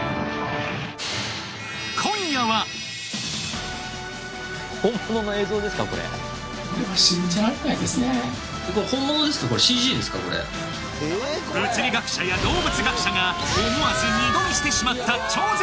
今夜は物理学者や動物学者が思わず２度見してしまった超絶